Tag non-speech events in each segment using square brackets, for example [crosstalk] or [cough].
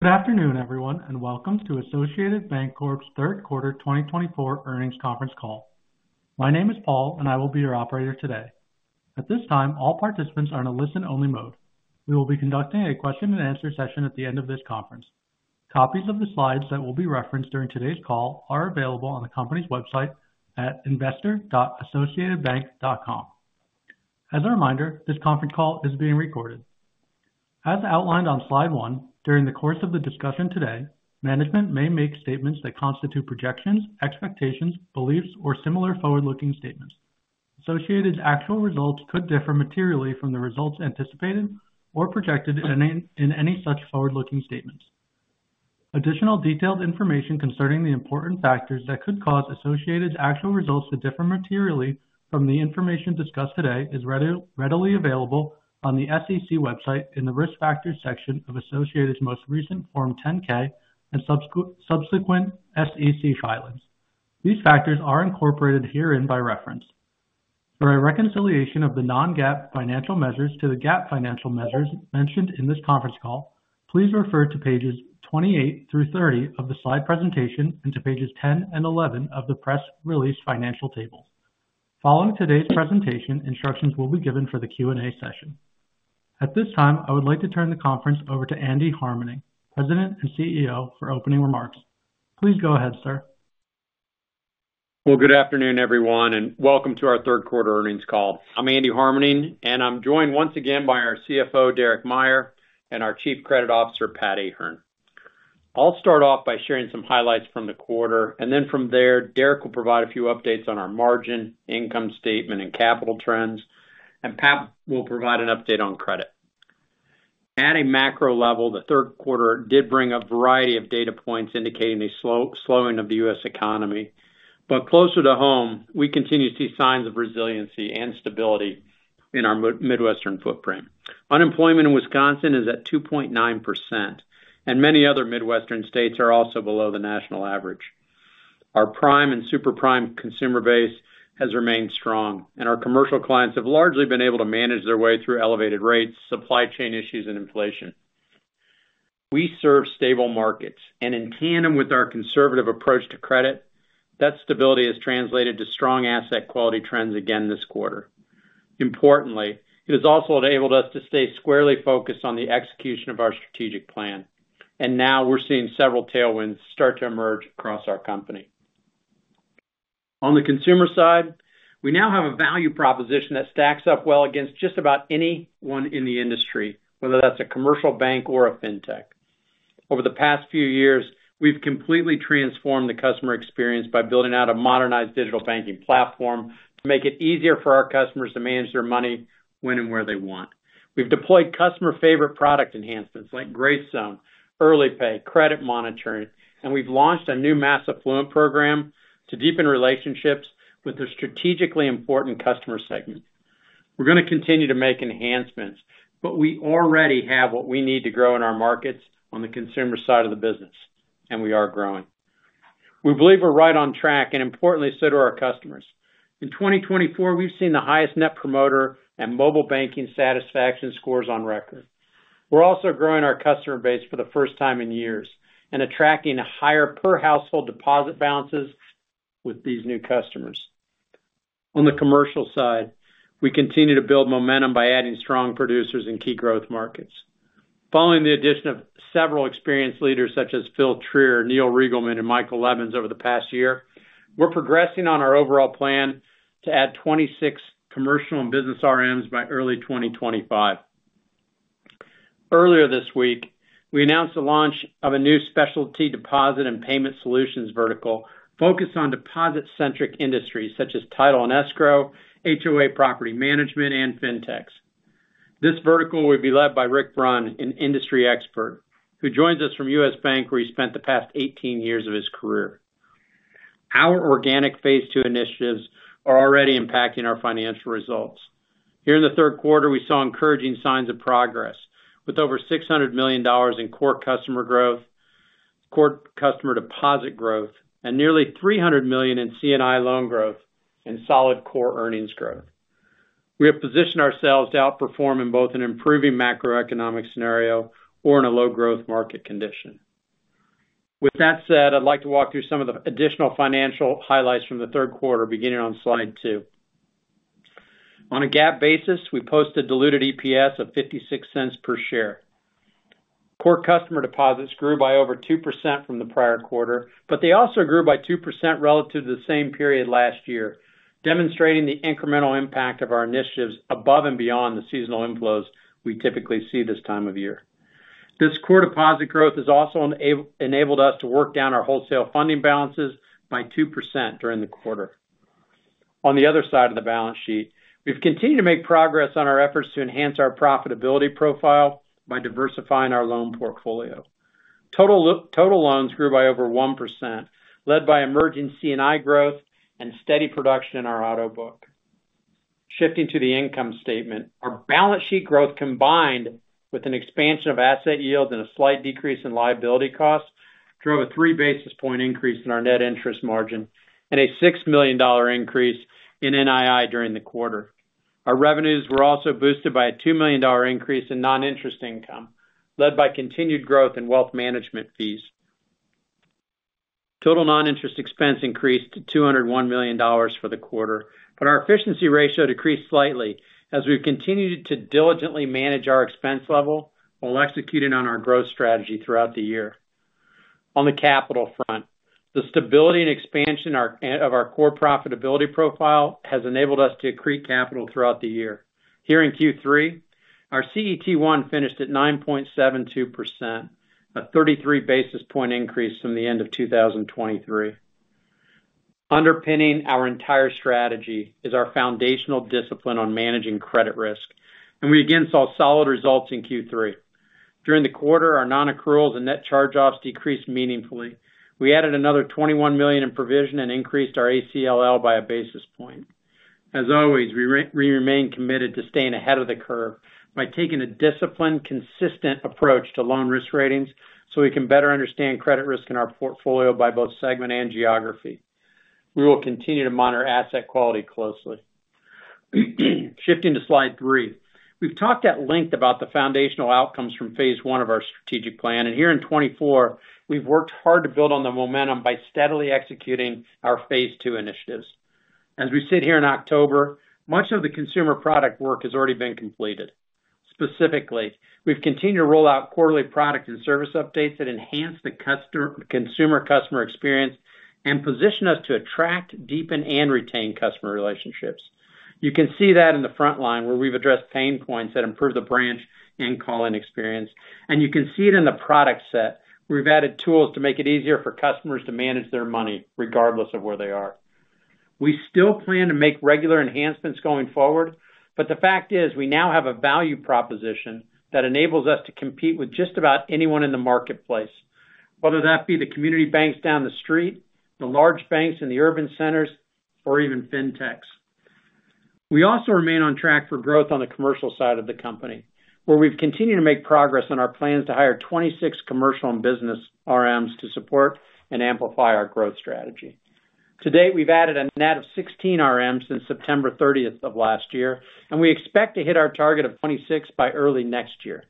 Good afternoon, everyone, and welcome to Associated Banc-Corp's third quarter 2024 earnings conference call. My name is Paul, and I will be your operator today. At this time, all participants are in a listen-only mode. We will be conducting a question-and-answer session at the end of this conference. Copies of the slides that will be referenced during today's call are available on the company's website at investor.associatedbank.com. As a reminder, this conference call is being recorded. As outlined on slide one, during the course of the discussion today, management may make statements that constitute projections, expectations, beliefs, or similar forward-looking statements. Associated's actual results could differ materially from the results anticipated or projected in any, in any such forward-looking statements. Additional detailed information concerning the important factors that could cause Associated's actual results to differ materially from the information discussed today is readily available on the SEC website in the Risk Factors section of Associated's most recent Form 10-K and subsequent SEC filings. These factors are incorporated herein by reference. For a reconciliation of the non-GAAP financial measures to the GAAP financial measures mentioned in this conference call, please refer to pages 28-30 of the slide presentation and to pages 10 and 11 of the press release financial table. Following today's presentation, instructions will be given for the Q&A session. At this time, I would like to turn the conference over to Andy Harmening, President and CEO, for opening remarks. Please go ahead, sir. Good afternoon, everyone, and welcome to our third quarter earnings call. I'm Andy Harmening, and I'm joined once again by our CFO, Derek Meyer, and our Chief Credit Officer, Pat Ahern. I'll start off by sharing some highlights from the quarter, and then from there, Derek will provide a few updates on our margin, income statement, and capital trends, and Pat will provide an update on credit. At a macro level, the third quarter did bring a variety of data points indicating a slowing of the U.S. economy. But closer to home, we continue to see signs of resiliency and stability in our Midwestern footprint. Unemployment in Wisconsin is at 2.9%, and many other Midwestern states are also below the national average. Our prime and super-prime consumer base has remained strong, and our commercial clients have largely been able to manage their way through elevated rates, supply chain issues, and inflation. We serve stable markets, and in tandem with our conservative approach to credit, that stability has translated to strong asset quality trends again this quarter. Importantly, it has also enabled us to stay squarely focused on the execution of our strategic plan, and now we're seeing several tailwinds start to emerge across our company. On the consumer side, we now have a value proposition that stacks up well against just about anyone in the industry, whether that's a commercial bank or a fintech. Over the past few years, we've completely transformed the customer experience by building out a modernized digital banking platform to make it easier for our customers to manage their money when and where they want. We've deployed customer favorite product enhancements like Grace Zone, Early Pay, credit monitoring, and we've launched a new mass affluent program to deepen relationships with their strategically important customer segment. We're gonna continue to make enhancements, but we already have what we need to grow in our markets on the consumer side of the business, and we are growing. We believe we're right on track, and importantly, so do our customers. In 2024, we've seen the highest net promoter and mobile banking satisfaction scores on record. We're also growing our customer base for the first time in years and attracting higher per household deposit balances with these new customers. On the commercial side, we continue to build momentum by adding strong producers in key growth markets. Following the addition of several experienced leaders, such as Phil Trier, Neil Riegelman, and Michael Levins over the past year, we're progressing on our overall plan to add 26 commercial and business RMs by early 2025. Earlier this week, we announced the launch of a new specialty deposit and payment solutions vertical focused on deposit-centric industries such as Title and Escrow, HOA property management, and Fintechs. This vertical will be led by Rick Brunn, an industry expert, who joins us from U.S. Bank, where he spent the past 18 years of his career. Our organic Phase Two initiatives are already impacting our financial results. Here in the third quarter, we saw encouraging signs of progress, with over $600 million in core customer growth, core customer deposit growth, and nearly $300 million in C&I loan growth and solid core earnings growth. We have positioned ourselves to outperform in both an improving macroeconomic scenario or in a low growth market condition. With that said, I'd like to walk through some of the additional financial highlights from the third quarter, beginning on slide two. On a GAAP basis, we posted diluted EPS of $0.56 per share. Core customer deposits grew by over 2% from the prior quarter, but they also grew by 2% relative to the same period last year, demonstrating the incremental impact of our initiatives above and beyond the seasonal inflows we typically see this time of year. This core deposit growth has also enabled us to work down our wholesale funding balances by 2% during the quarter. On the other side of the balance sheet, we've continued to make progress on our efforts to enhance our profitability profile by diversifying our loan portfolio. Total loans grew by over 1%, led by emerging C&I growth and steady production in our auto book. Shifting to the income statement, our balance sheet growth, combined with an expansion of asset yield and a slight decrease in liability costs, drove a three basis point increase in our net interest margin and a $6 million increase in NII during the quarter. Our revenues were also boosted by a $2 million increase in non-interest income, led by continued growth in wealth management fees. Total non-interest expense increased to $201 million for the quarter, but our efficiency ratio decreased slightly as we've continued to diligently manage our expense level while executing on our growth strategy throughout the year. On the capital front, the stability and expansion of our core profitability profile has enabled us to accrete capital throughout the year. Here in Q3, our CET1 finished at 9.72%, a 33 basis point increase from the end of 2023. Underpinning our entire strategy is our foundational discipline on managing credit risk, and we again saw solid results in Q3. During the quarter, our non-accruals and net charge-offs decreased meaningfully. We added another $21 million in provision and increased our ACLL by a basis point. As always, we remain committed to staying ahead of the curve by taking a disciplined, consistent approach to loan risk ratings, so we can better understand credit risk in our portfolio by both segment and geography. We will continue to monitor asset quality closely. Shifting to slide three. We've talked at length about the foundational outcomes from phase one of our strategic plan, and here in 2024, we've worked hard to build on the momentum by steadily executing our phase two initiatives. As we sit here in October, much of the consumer product work has already been completed. Specifically, we've continued to roll out quarterly product and service updates that enhance the customer experience and position us to attract, deepen, and retain customer relationships. You can see that in the front line, where we've addressed pain points that improve the branch and call-in experience, and you can see it in the product set. We've added tools to make it easier for customers to manage their money, regardless of where they are. We still plan to make regular enhancements going forward, but the fact is, we now have a value proposition that enables us to compete with just about anyone in the marketplace, whether that be the community banks down the street, the large banks in the urban centers, or even fintechs. We also remain on track for growth on the commercial side of the company, where we've continued to make progress on our plans to hire 26 commercial and business RMs to support and amplify our growth strategy. To date, we've added a net of 16 RMs since September thirtieth of last year, and we expect to hit our target of 26 by early next year.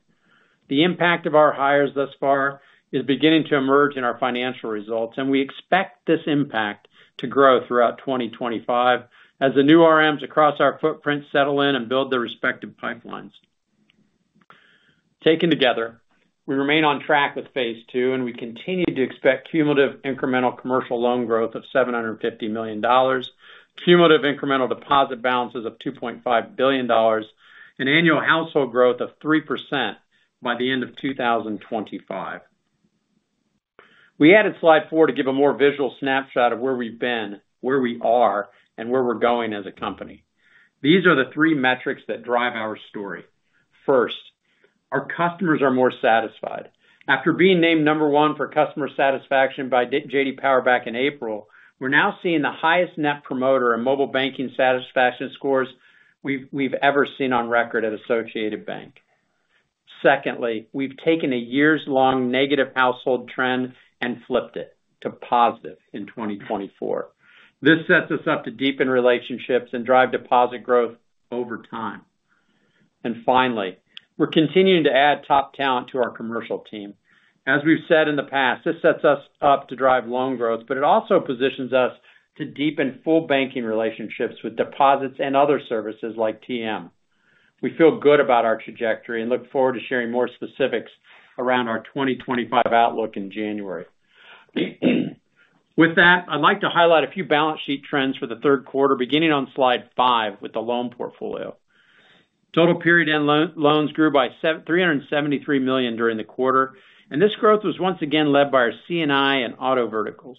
The impact of our hires thus far is beginning to emerge in our financial results, and we expect this impact to grow throughout 2025 as the new RMs across our footprint settle in and build their respective pipelines. Taken together, we remain on track with phase two, and we continue to expect cumulative incremental commercial loan growth of $750 million, cumulative incremental deposit balances of $2.5 billion, and annual household growth of 3% by the end of 2025. We added slide 4 to give a more visual snapshot of where we've been, where we are, and where we're going as a company. These are the three metrics that drive our story. First, our customers are more satisfied. After being named number one for customer satisfaction by J.D. Power back in April, we're now seeing the highest net promoter and mobile banking satisfaction scores we've ever seen on record at Associated Bank. Secondly, we've taken a years-long negative household trend and flipped it to positive in 2024. This sets us up to deepen relationships and drive deposit growth over time. And finally, we're continuing to add top talent to our commercial team. As we've said in the past, this sets us up to drive loan growth, but it also positions us to deepen full banking relationships with deposits and other services like TM. We feel good about our trajectory and look forward to sharing more specifics around our twenty twenty-five outlook in January. With that, I'd like to highlight a few balance sheet trends for the third quarter, beginning on slide five with the loan portfolio. Total period end loans grew by $373 million during the quarter, and this growth was once again led by our C&I and auto verticals.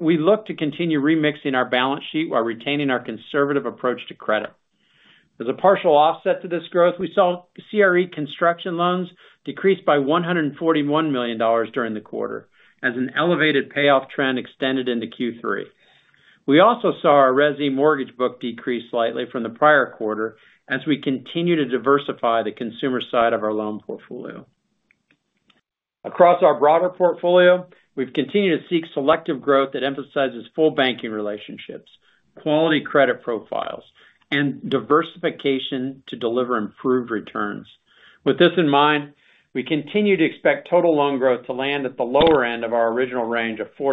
We look to continue remixing our balance sheet while retaining our conservative approach to credit. As a partial offset to this growth, we saw CRE construction loans decrease by $141 million during the quarter, as an elevated payoff trend extended into Q3. We also saw our resi mortgage book decrease slightly from the prior quarter as we continue to diversify the consumer side of our loan portfolio. Across our broader portfolio, we've continued to seek selective growth that emphasizes full banking relationships, quality credit profiles, and diversification to deliver improved returns. With this in mind, we continue to expect total loan growth to land at the lower end of our original range of 4%-6%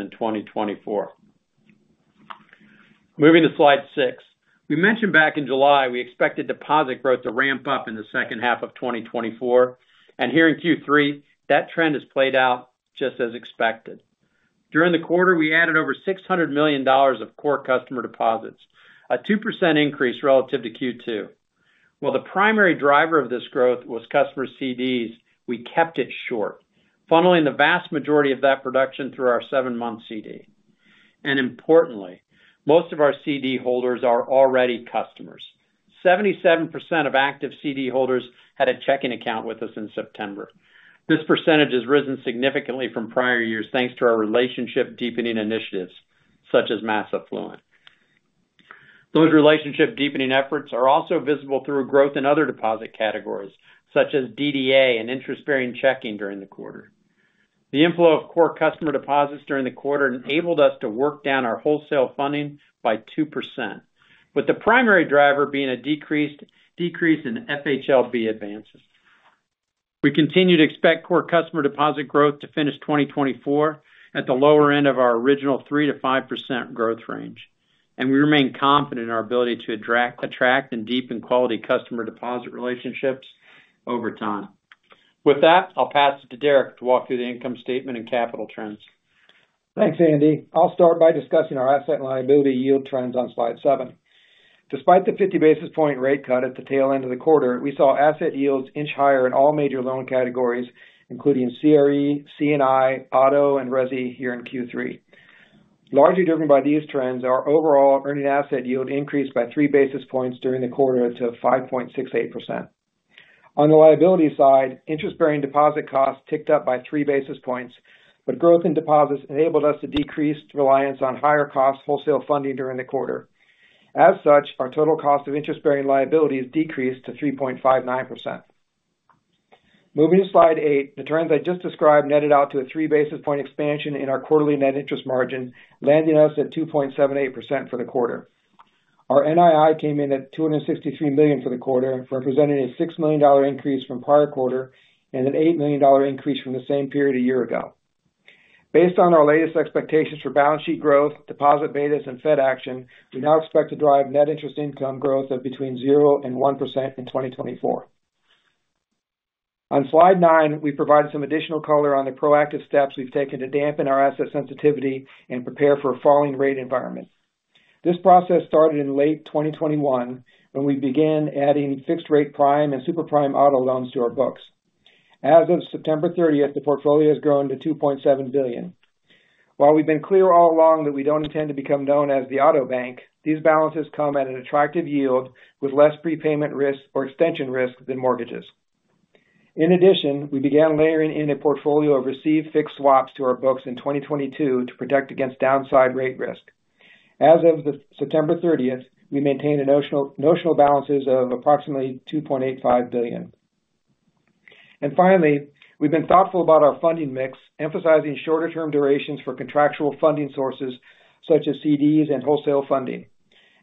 in 2024. Moving to slide six. We mentioned back in July, we expected deposit growth to ramp up in the second half of 2024, and here in Q3, that trend has played out just as expected. During the quarter, we added over $600 million of core customer deposits, a 2% increase relative to Q2. While the primary driver of this growth was customer CDs, we kept it short, funneling the vast majority of that production through our seven-month CD. And importantly, most of our CD holders are already customers. 77% of active CD holders had a checking account with us in September. This percentage has risen significantly from prior years, thanks to our relationship-deepening initiatives, such as mass affluent. Those relationship-deepening efforts are also visible through growth in other deposit categories, such as DDA and interest-bearing checking during the quarter. The inflow of core customer deposits during the quarter enabled us to work down our wholesale funding by 2%, with the primary driver being a decrease in FHLB advances. We continue to expect core customer deposit growth to finish 2024 at the lower end of our original 3%-5% growth range, and we remain confident in our ability to attract and deepen quality customer deposit relationships over time. With that, I'll pass it to Derek to walk through the income statement and capital trends. Thanks, Andy. I'll start by discussing our asset and liability yield trends on slide 7. Despite the 50 basis point rate cut at the tail end of the quarter, we saw asset yields inch higher in all major loan categories, including CRE, C&I, auto, and resi here in Q3. Largely driven by these trends, our overall earning asset yield increased by three basis points during the quarter to 5.68%. On the liability side, interest-bearing deposit costs ticked up by three basis points, but growth in deposits enabled us to decrease reliance on higher cost wholesale funding during the quarter. As such, our total cost of interest-bearing liabilities decreased to 3.59%. Moving to slide eight, the trends I just described netted out to a three basis point expansion in our quarterly net interest margin, landing us at 2.78% for the quarter. Our NII came in at $263 million for the quarter, representing a $6 million increase from prior quarter and an $8 million increase from the same period a year ago. Based on our latest expectations for balance sheet growth, deposit betas and Fed action, we now expect to drive net interest income growth of between 0% and 1% in 2024. On slide nine, we provided some additional color on the proactive steps we've taken to dampen our asset sensitivity and prepare for a falling rate environment. This process started in late 2021, when we began adding fixed rate prime and super prime auto loans to our books. As of September 30th, the portfolio has grown to $2.7 billion. While we've been clear all along that we don't intend to become known as the auto bank, these balances come at an attractive yield with less prepayment risk or extension risk than mortgages. In addition, we began layering in a portfolio of receive-fixed swaps to our books in 2022 to protect against downside rate risk. As of September 30th, we maintained notional balances of approximately $2.85 billion. And finally, we've been thoughtful about our funding mix, emphasizing shorter term durations for contractual funding sources such as CDs and wholesale funding.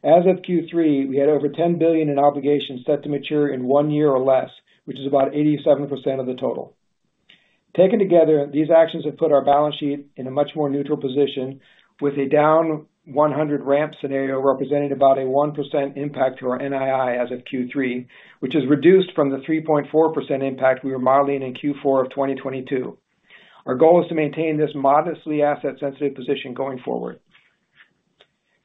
As of Q3, we had over $10 billion in obligations set to mature in one year or less, which is about 87% of the total. Taken together, these actions have put our balance sheet in a much more neutral position, with a down 100 ramp scenario representing about a 1% impact to our NII as of Q3, which is reduced from the 3.4% impact we were modeling in Q4 of 2022. Our goal is to maintain this modestly asset-sensitive position going forward.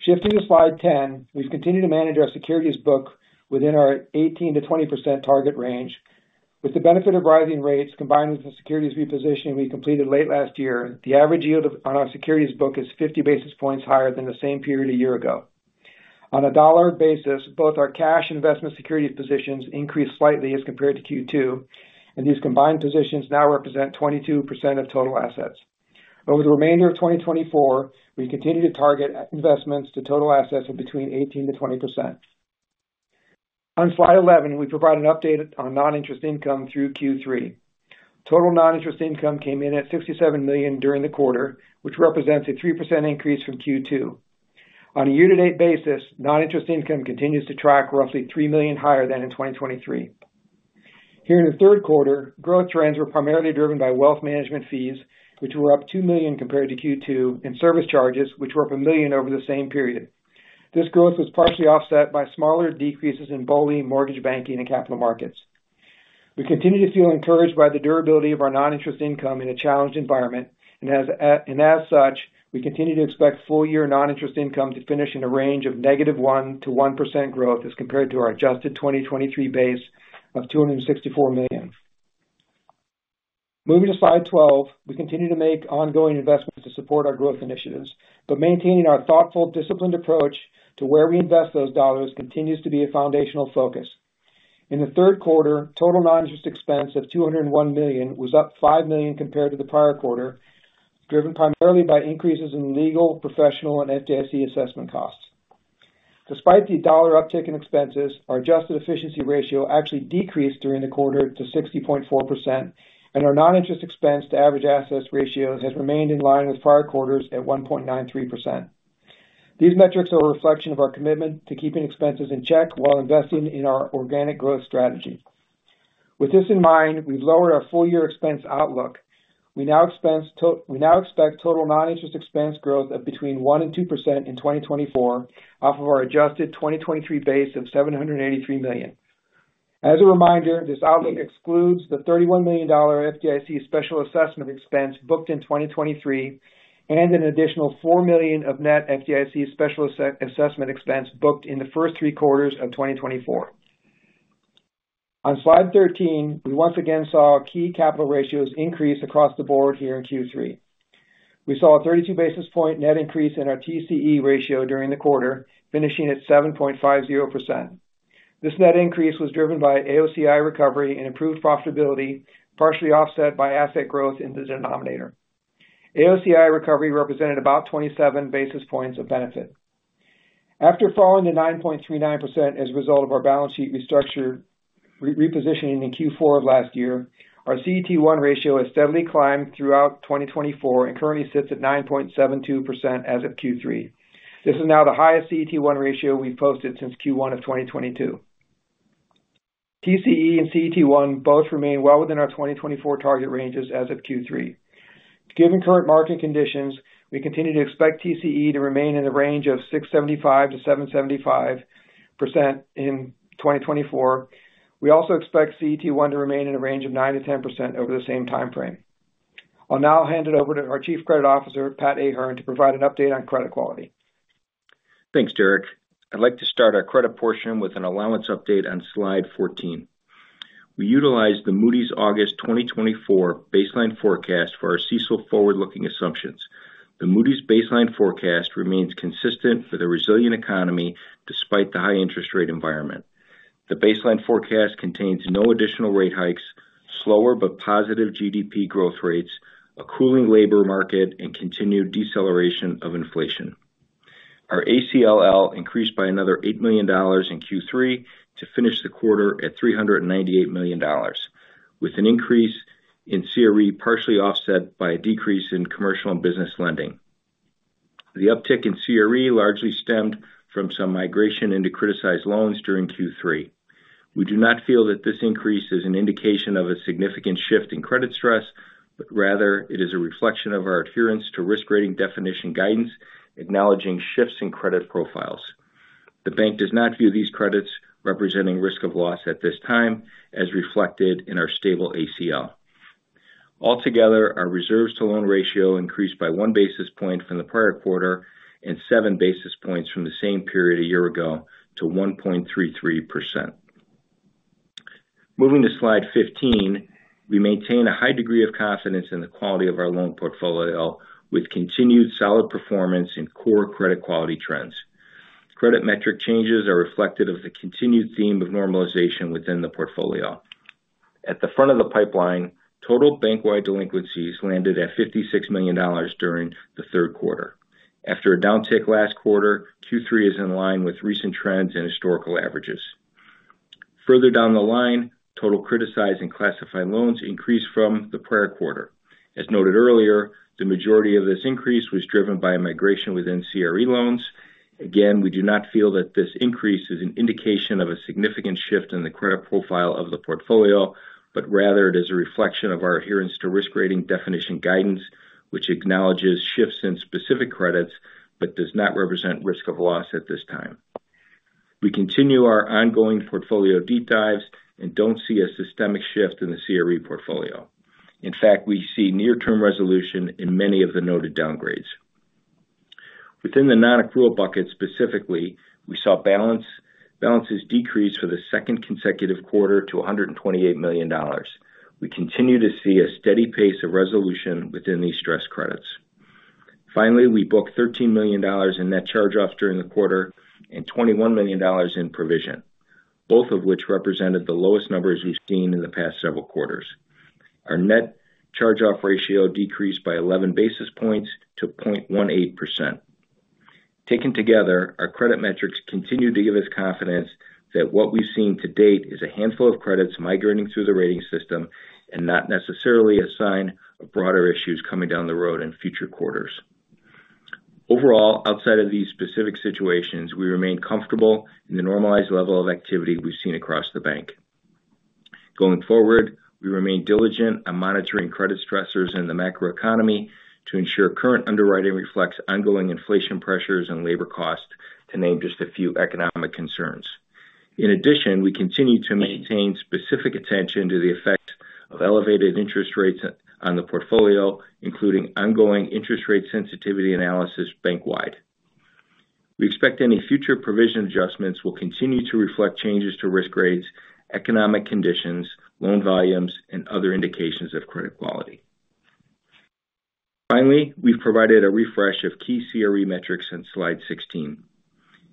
Shifting to slide 10, we've continued to manage our securities book within our 18%-20% target range. With the benefit of rising rates, combined with the securities repositioning we completed late last year, the average yield on our securities book is 50 basis points higher than the same period a year ago. On a dollar basis, both our cash investment securities positions increased slightly as compared to Q2, and these combined positions now represent 22% of total assets. Over the remainder of 2024, we continue to target investments to total assets of between 18%-20%. On slide 11, we provide an update on non-interest income through Q3. Total non-interest income came in at $67 million during the quarter, which represents a 3% increase from Q2. On a year-to-date basis, non-interest income continues to track roughly $3 million higher than in 2023. Here in the third quarter, growth trends were primarily driven by wealth management fees, which were up $2 million compared to Q2, and service charges, which were up a $1 million over the same period. This growth was partially offset by smaller decreases in BOLI, mortgage banking, and capital markets. We continue to feel encouraged by the durability of our non-interest income in a challenged environment, and as, and as such, we continue to expect full-year non-interest income to finish in a range of -1% to 1% growth as compared to our adjusted 2023 base of $264 million. Moving to slide 12, we continue to make ongoing investments to support our growth initiatives, but maintaining our thoughtful, disciplined approach to where we invest those dollars continues to be a foundational focus. In the third quarter, total non-interest expense of $201 million was up $5 million compared to the prior quarter, driven primarily by increases in legal, professional, and FDIC assessment costs. Despite the dollar uptick in expenses, our adjusted efficiency ratio actually decreased during the quarter to 60.4%, and our non-interest expense to average assets ratios has remained in line with prior quarters at 1.93%. These metrics are a reflection of our commitment to keeping expenses in check while investing in our organic growth strategy. With this in mind, we've lowered our full-year expense outlook. We now expect total non-interest expense growth of between 1% and 2% in 2024, off of our adjusted 2023 base of $783 million. As a reminder, this outlook excludes the $31 million FDIC special assessment expense booked in 2023, and an additional $4 million of net FDIC special assessment expense booked in the first three quarters of 2024. On slide 13, we once again saw key capital ratios increase across the board here in Q3. We saw a 32 basis point net increase in our TCE ratio during the quarter, finishing at 7.50%. This net increase was driven by AOCI recovery and improved profitability, partially offset by asset growth in the denominator. AOCI recovery represented about 27 basis points of benefit.... After falling to 9.39% as a result of our balance sheet restructuring, repositioning in Q4 of last year, our CET1 ratio has steadily climbed throughout 2024 and currently sits at 9.72% as of Q3. This is now the highest CET1 ratio we've posted since Q1 of 2022. TCE and CET1 both remain well within our 2024 target ranges as of Q3. Given current market conditions, we continue to expect TCE to remain in the range of 6.75%-7.75% in 2024. We also expect CET1 to remain in a range of 9%-10% over the same time frame. I'll now hand it over to our Chief Credit Officer, Pat Ahern, to provide an update on credit quality. Thanks, Derek. I'd like to start our credit portion with an allowance update on slide fourteen. We utilized the Moody's August 2024 baseline forecast for our CECL forward-looking assumptions. The Moody's baseline forecast remains consistent for the resilient economy despite the high interest rate environment. The baseline forecast contains no additional rate hikes, slower but positive GDP growth rates, a cooling labor market, and continued deceleration of inflation. Our ACLL increased by another $8 million in Q3 to finish the quarter at $398 million, with an increase in CRE partially offset by a decrease in commercial and business lending. The uptick in CRE largely stemmed from some migration into criticized loans during Q3. We do not feel that this increase is an indication of a significant shift in credit stress, but rather it is a reflection of our adherence to risk rating definition guidance, acknowledging shifts in credit profiles. The bank does not view these credits representing risk of loss at this time, as reflected in our stable ACL. Altogether, our reserves to loan ratio increased by one basis point from the prior quarter and seven basis points from the same period a year ago to 1.33%. Moving to slide 15, we maintain a high degree of confidence in the quality of our loan portfolio, with continued solid performance in core credit quality trends. Credit metric changes are reflective of the continued theme of normalization within the portfolio. At the front of the pipeline, total bank-wide delinquencies landed at $56 million during the third quarter. After a downtick last quarter, Q3 is in line with recent trends and historical averages. Further down the line, total criticized and classified loans increased from the prior quarter. As noted earlier, the majority of this increase was driven by a migration within CRE loans. Again, we do not feel that this increase is an indication of a significant shift in the credit profile of the portfolio, but rather it is a reflection of our adherence to risk rating definition guidance, which acknowledges shifts in specific credits, but does not represent risk of loss at this time. We continue our ongoing portfolio deep dives and don't see a systemic shift in the CRE portfolio. In fact, we see near-term resolution in many of the noted downgrades. Within the non-accrual bucket specifically, we saw balances decrease for the second consecutive quarter to $128 million. We continue to see a steady pace of resolution within these stress credits. Finally, we booked $13 million in net charge-offs during the quarter and $21 million in provision, both of which represented the lowest numbers we've seen in the past several quarters. Our net charge-off ratio decreased by 11 basis points to 0.18%. Taken together, our credit metrics continue to give us confidence that what we've seen to date is a handful of credits migrating through the rating system and not necessarily a sign of broader issues coming down the road in future quarters. Overall, outside of these specific situations, we remain comfortable in the normalized level of activity we've seen across the bank. Going forward, we remain diligent on monitoring credit stressors in the macroeconomy to ensure current underwriting reflects ongoing inflation pressures and labor costs, to name just a few economic concerns. In addition, we continue to maintain specific attention to the effect of elevated interest rates on the portfolio, including ongoing interest rate sensitivity analysis bank-wide. We expect any future provision adjustments will continue to reflect changes to risk grades, economic conditions, loan volumes, and other indications of credit quality. Finally, we've provided a refresh of key CRE metrics in slide 16.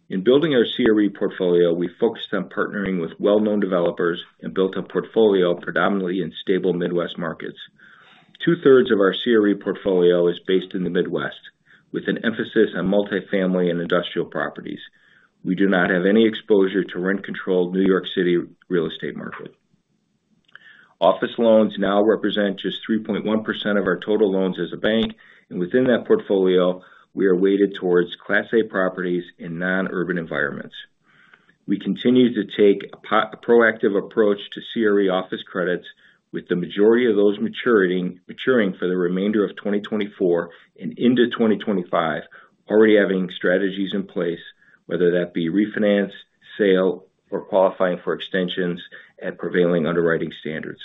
In building our CRE portfolio, we focused on partnering with well-known developers and built a portfolio predominantly in stable Midwest markets. Two-thirds of our CRE portfolio is based in the Midwest, with an emphasis on multifamily and industrial properties. We do not have any exposure to rent-controlled New York City real estate market. Office loans now represent just 3.1% of our total loans as a bank, and within that portfolio, we are weighted towards Class A properties in non-urban environments. We continue to take a proactive approach to CRE office credits, with the majority of those maturing for the remainder of 2024 and into 2025, already having strategies in place, whether that be refinance, sale, or qualifying for extensions at prevailing underwriting standards.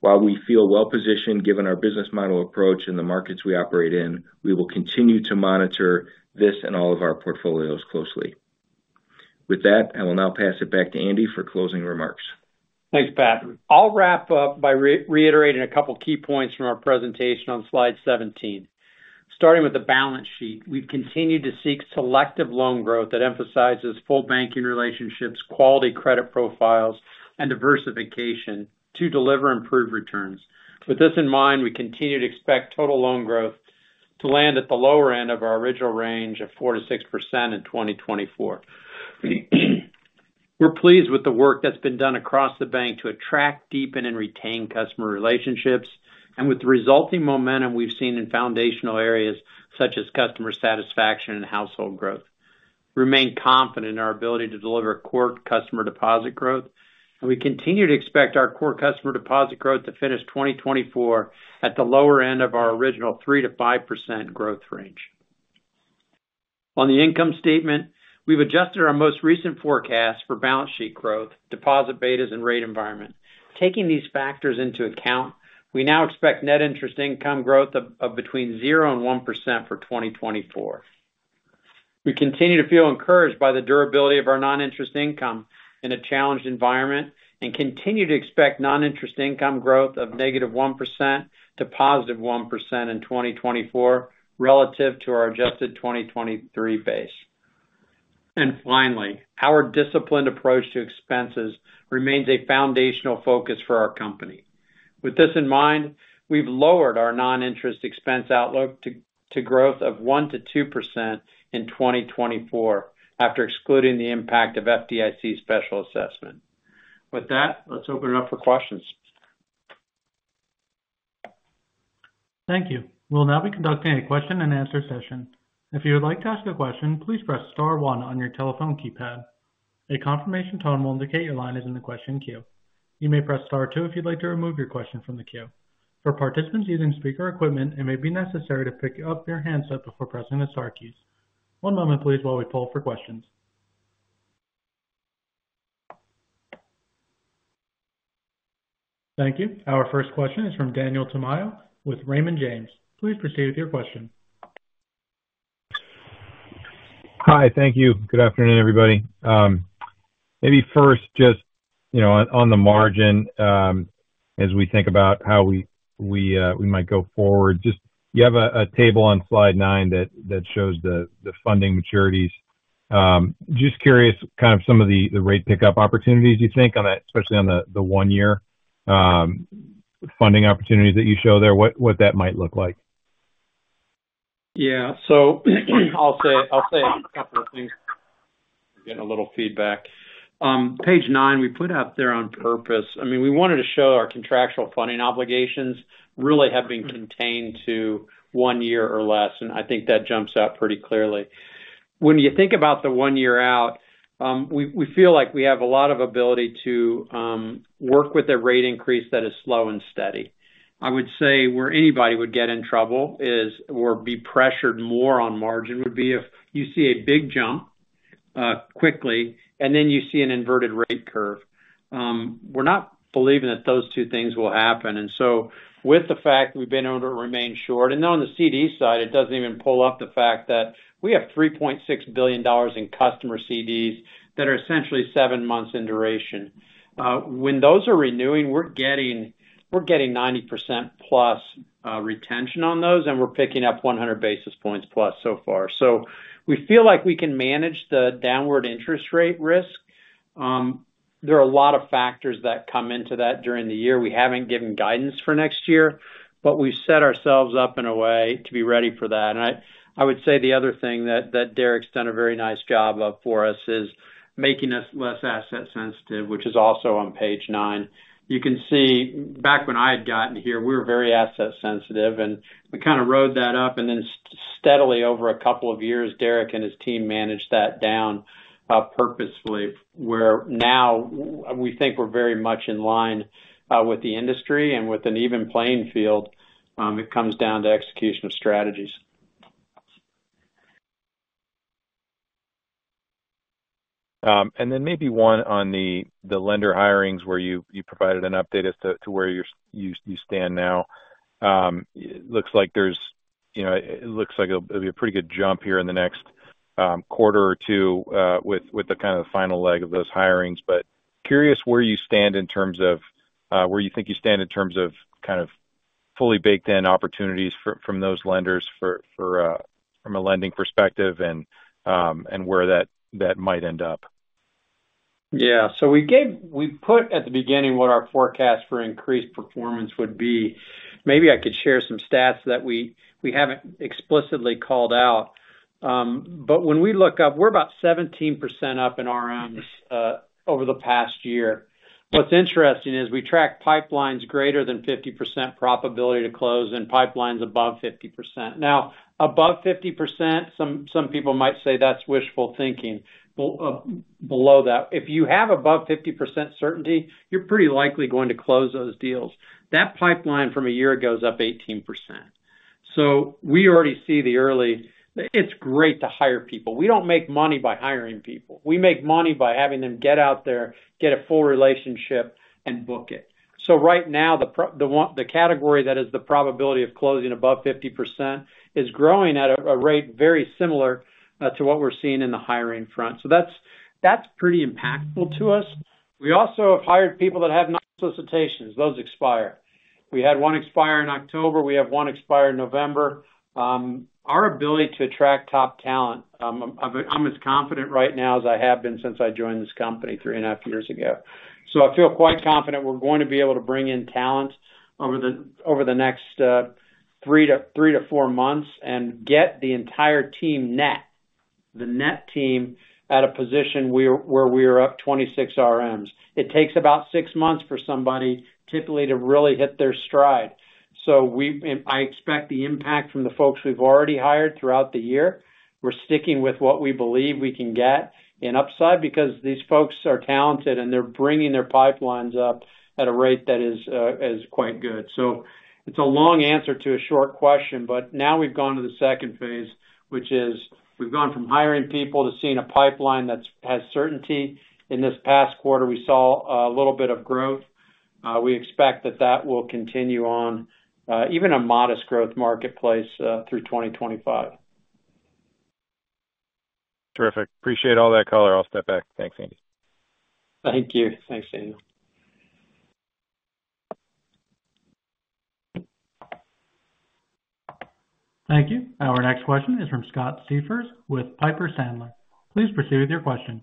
While we feel well-positioned, given our business model approach and the markets we operate in, we will continue to monitor this and all of our portfolios closely. With that, I will now pass it back to Andy for closing remarks. Thanks, Pat. I'll wrap up by reiterating a couple key points from our presentation on slide 17. Starting with the balance sheet, we've continued to seek selective loan growth that emphasizes full banking relationships, quality credit profiles, and diversification to deliver improved returns. With this in mind, we continue to expect total loan growth to land at the lower end of our original range of 4%-6% in 2024. ...We're pleased with the work that's been done across the bank to attract, deepen, and retain customer relationships, and with the resulting momentum we've seen in foundational areas such as customer satisfaction and household growth. We remain confident in our ability to deliver core customer deposit growth, and we continue to expect our core customer deposit growth to finish 2024 at the lower end of our original 3%-5% growth range. On the income statement, we've adjusted our most recent forecast for balance sheet growth, deposit betas, and rate environment. Taking these factors into account, we now expect net interest income growth of between 0% and 1% for 2024. We continue to feel encouraged by the durability of our non-interest income in a challenged environment, and continue to expect non-interest income growth of negative 1% to positive 1% in 2024 relative to our adjusted 2023 base. And finally, our disciplined approach to expenses remains a foundational focus for our company. With this in mind, we've lowered our non-interest expense outlook to growth of 1%-2% in 2024, after excluding the impact of FDIC's special assessment. With that, let's open it up for questions. Thank you. We'll now be conducting a question-and-answer session. If you would like to ask a question, please press star one on your telephone keypad. A confirmation tone will indicate your line is in the question queue. You may press star two if you'd like to remove your question from the queue. For participants using speaker equipment, it may be necessary to pick up your handset before pressing the star keys. One moment, please, while we poll for questions. Thank you. Our first question is from Daniel Tamayo with Raymond James. Please proceed with your question. Hi. Thank you. Good afternoon, everybody. Maybe first, just, you know, on the margin, as we think about how we might go forward, just you have a table on slide nine that shows the funding maturities. Just curious, kind of, some of the rate pickup opportunities you think on that, especially on the one-year funding opportunities that you show there, what that might look like? Yeah. So I'll say a couple of things. Getting a little feedback. Page nine, we put out there on purpose. I mean, we wanted to show our contractual funding obligations really have been contained to one year or less, and I think that jumps out pretty clearly. When you think about the one year out, we feel like we have a lot of ability to work with a rate increase that is slow and steady. I would say where anybody would get in trouble is, or be pressured more on margin, would be if you see a big jump quickly, and then you see an inverted rate curve. We're not believing that those two things will happen. And so with the fact we've been able to remain short, and on the CD side, it doesn't even pull up the fact that we have $3.6 billion in customer CDs that are essentially seven months in duration. When those are renewing, we're getting 90% plus retention on those, and we're picking up 100 basis points plus so far. So we feel like we can manage the downward interest rate risk. There are a lot of factors that come into that during the year. We haven't given guidance for next year, but we've set ourselves up in a way to be ready for that. And I would say the other thing that Derek's done a very nice job of for us is making us less asset sensitive, which is also on page nine. You can see back when I had gotten here, we were very asset sensitive, and we kind of rode that up, and then steadily over a couple of years, Derek and his team managed that down, purposefully, where now we think we're very much in line with the industry and with an even playing field. It comes down to execution of strategies. And then maybe one on the lender hirings, where you provided an update as to where you stand now. It looks like there's, you know. It looks like it'll be a pretty good jump here in the next quarter or two, with the kind of final leg of those hirings. But curious where you stand in terms of where you think you stand in terms of kind of fully baked in opportunities from those lenders from a lending perspective and where that might end up. Yeah. So we put at the beginning what our forecast for increased performance would be. Maybe I could share some stats that we haven't explicitly called out. But when we look up, we're about 17% up in RMs over the past year. What's interesting is we track pipelines greater than 50% probability to close and pipelines above 50%. Now, above 50%, some people might say that's wishful thinking, below that. If you have above 50% certainty, you're pretty likely going to close those deals. That pipeline from a year ago is up 18%. So we already see. It's great to hire people. We don't make money by hiring people. We make money by having them get out there, get a full relationship, and book it. So right now, the category that is the probability of closing above 50% is growing at a rate very similar to what we're seeing in the hiring front. So that's pretty impactful to us. We also have hired people that have non-solicitations. Those expire. We had one expire in October. We have one expire in November. Our ability to attract top talent, I'm as confident right now as I have been since I joined this company three and a half years ago. So I feel quite confident we're going to be able to bring in talent over the next three to four months and get the entire team at a position where we are up twenty-six RMs. It takes about six months for somebody typically to really hit their stride. So we and I expect the impact from the folks we've already hired throughout the year. We're sticking with what we believe we can get in upside, because these folks are talented, and they're bringing their pipelines up at a rate that is quite good. So it's a long answer to a short question, but now we've gone to the second phase, which is we've gone from hiring people to seeing a pipeline that has certainty. In this past quarter, we saw a little bit of growth. We expect that that will continue on, even a modest growth marketplace, through twenty twenty-five. Terrific. Appreciate all that color. I'll step back. Thanks, Andy. Thank you. Thanks, Daniel. Thank you. Our next question is from Scott Siefers with Piper Sandler. Please proceed with your question.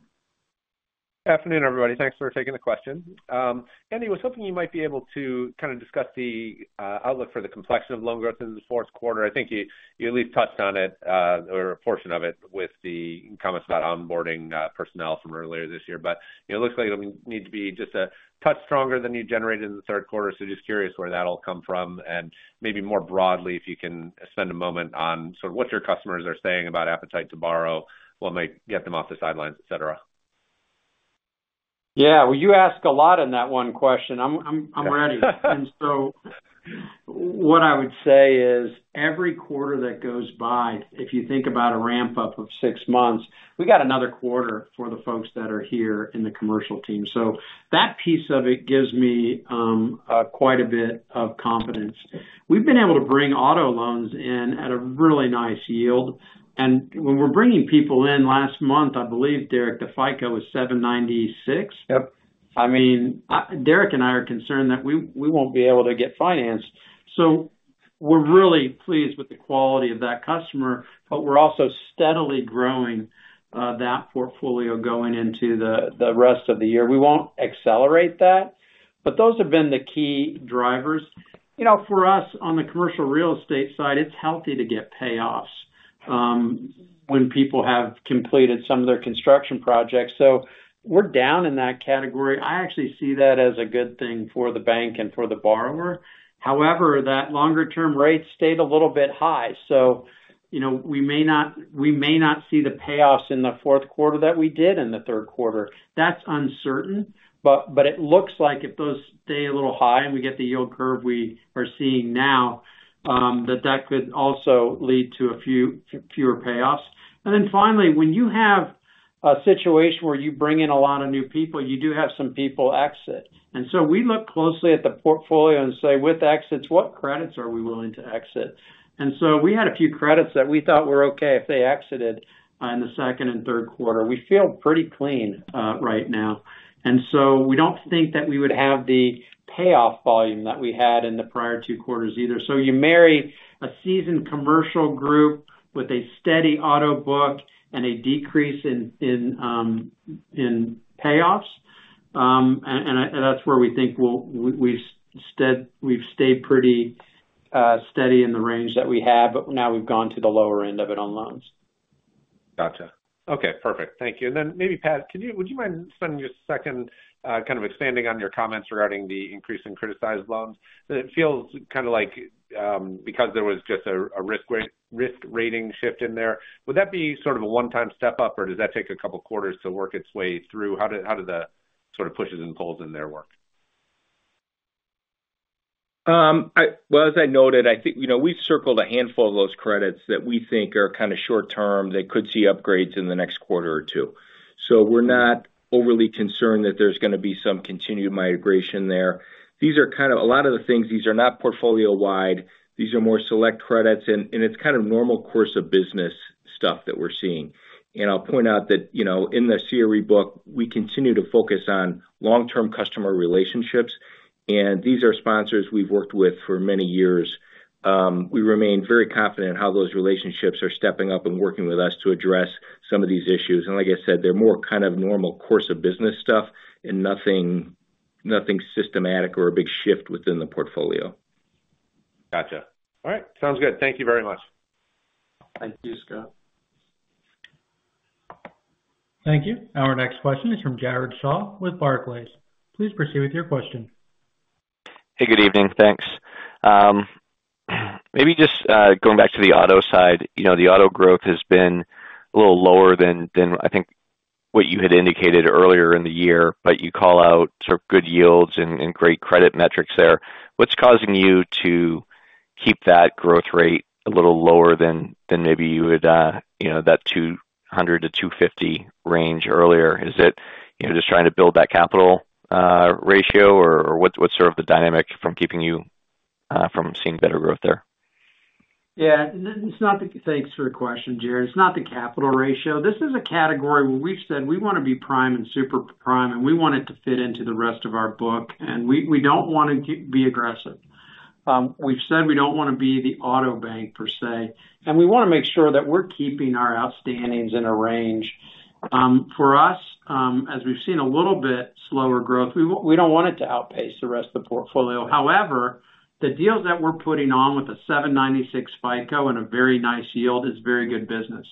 Good afternoon, everybody. Thanks for taking the question. Andy, I was hoping you might be able to kind of discuss the outlook for the complexion of loan growth in the fourth quarter. I think you at least touched on it or a portion of it, with the comments about onboarding personnel from earlier this year. But it looks like it'll need to be just a touch stronger than you generated in the third quarter. So just curious where that'll come from, and maybe more broadly, if you can spend a moment on sort of what your customers are saying about appetite to borrow, what might get them off the sidelines, et cetera. Yeah, well, you ask a lot in that one question. I'm ready. And so what I would say is, every quarter that goes by, if you think about a ramp-up of six months, we got another quarter for the folks that are here in the commercial team. So that piece of it gives me quite a bit of confidence. We've been able to bring auto loans in at a really nice yield, and when we're bringing people in, last month, I believe, Derek, the FICO was 796? Yep. I mean, Derek and I are concerned that we won't be able to get financed. So we're really pleased with the quality of that customer, but we're also steadily growing that portfolio going into the rest of the year. We won't accelerate that, but those have been the key drivers. You know, for us, on the commercial real estate side, it's healthy to get payoffs when people have completed some of their construction projects. So we're down in that category. I actually see that as a good thing for the bank and for the borrower. However, that longer-term rate stayed a little bit high, so you know, we may not see the payoffs in the fourth quarter that we did in the third quarter. That's uncertain, but it looks like if those stay a little high, and we get the yield curve we are seeing now, that could also lead to a few, fewer payoffs. And then finally, when you have a situation where you bring in a lot of new people, you do have some people exit. And so we look closely at the portfolio and say, "With exits, what credits are we willing to exit?" And so we had a few credits that we thought were okay if they exited in the second and third quarter. We feel pretty clean, right now, and so we don't think that we would have the payoff volume that we had in the prior two quarters either. So you marry a seasoned commercial group with a steady auto book and a decrease in payoffs, and that's where we think we've stayed pretty steady in the range that we have, but now we've gone to the lower end of it on loans. Gotcha. Okay, perfect. Thank you. And then maybe, Pat, can you, would you mind spending just a second, kind of expanding on your comments regarding the increase in criticized loans? It feels kind of like, because there was just a risk rating shift in there, would that be sort of a one-time step-up, or does that take a couple quarters to work its way through? How did the sort of pushes and pulls in there work? Well, as I noted, I think, you know, we've circled a handful of those credits that we think are kind of short term. They could see upgrades in the next quarter or two. So we're not overly concerned that there's gonna be some continued migration there. These are kind of. A lot of the things, these are not portfolio-wide, these are more select credits, and it's kind of normal course of business stuff that we're seeing. I'll point out that, you know, in the CRE book, we continue to focus on long-term customer relationships, and these are sponsors we've worked with for many years. We remain very confident in how those relationships are stepping up and working with us to address some of these issues. Like I said, they're more kind of normal course of business stuff and nothing, nothing systematic or a big shift within the portfolio. Gotcha. All right, sounds good. Thank you very much. Thank you, Scott. Thank you. Our next question is from Jared Shaw with Barclays. Please proceed with your question. Hey, good evening. Thanks. Maybe just going back to the auto side. You know, the auto growth has been a little lower than I think what you had indicated earlier in the year, but you call out sort of good yields and great credit metrics there. What's causing you to keep that growth rate a little lower than maybe you would, you know, that two hundred to two fifty range earlier? Is it, you know, just trying to build that capital ratio, or what's sort of the dynamic from keeping you from seeing better growth there? Yeah. It's not the—thanks for the question, Jared. It's not the capital ratio. This is a category where we've said we want to be prime and super prime, and we want it to fit into the rest of our book, and we don't want to be aggressive. We've said we don't want to be the auto bank per se, and we want to make sure that we're keeping our outstandings in a range... for us, as we've seen a little bit slower growth, we don't want it to outpace the rest of the portfolio. However, the deals that we're putting on with a 796 FICO and a very nice yield is very good business.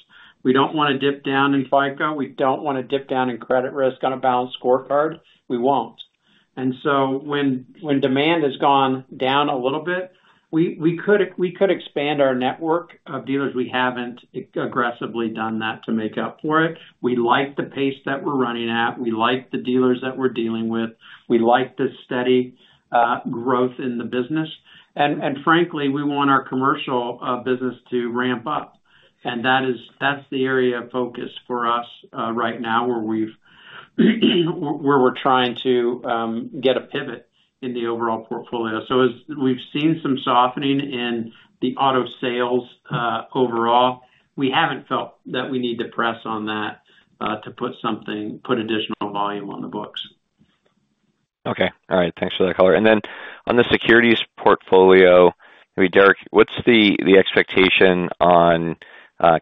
We don't wanna dip down in FICO. We don't wanna dip down in credit risk on a balanced scorecard. We won't. When demand has gone down a little bit, we could expand our network of dealers. We haven't aggressively done that to make up for it. We like the pace that we're running at. We like the dealers that we're dealing with. We like the steady growth in the business. Frankly, we want our commercial business to ramp up, and that is the area of focus for us right now, where we're trying to get a pivot in the overall portfolio. As we've seen some softening in the auto sales overall, we haven't felt that we need to press on that to put additional volume on the books. Okay. All right. Thanks for that color. And then on the securities portfolio, I mean, Derek, what's the expectation on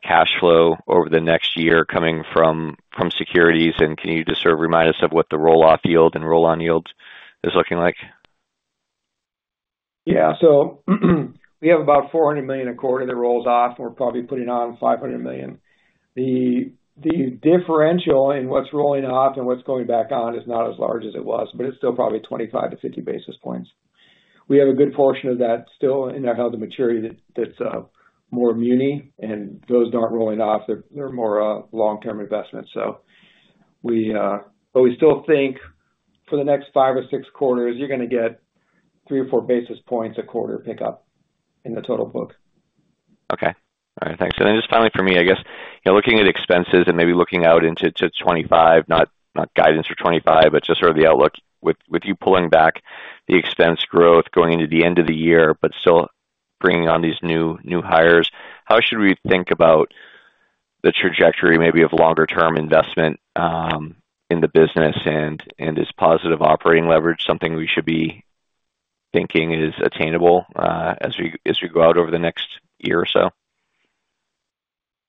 cash flow over the next year coming from securities? And can you just sort of remind us of what the roll-off yield and roll-on yields is looking like? Yeah, so, we have about $400 million a quarter that rolls off, and we're probably putting on $500 million. The differential in what's rolling off and what's going back on is not as large as it was, but it's still probably 25-50 basis points. We have a good portion of that still in our held-to-maturity that's more muni, and those aren't rolling off. They're more long-term investments. So we. But we still think for the next five or six quarters, you're gonna get three or four basis points a quarter pickup in the total book. Okay. All right. Thanks. And then just finally for me, I guess, you know, looking at expenses and maybe looking out into 2025, not guidance for 2025, but just sort of the outlook. With you pulling back the expense growth going into the end of the year, but still bringing on these new hires, how should we think about the trajectory maybe of longer term investment in the business? And is positive operating leverage something we should be thinking is attainable as we go out over the next year or so?